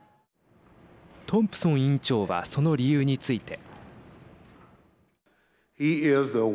トンプソン委員長はその理由について。